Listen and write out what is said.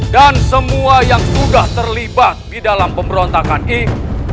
dan semua yang sudah terlibat di dalam pemberontakan ini